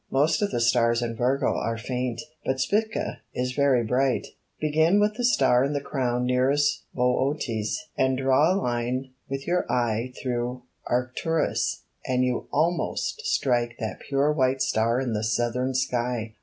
Most of the stars in Virgo are faint, but Spica is very bright. Begin with the star in the Crown nearest Bootes, and draw a line w4th your eye through Arcturus, and you almost strike that pm e white star in the south ern sky."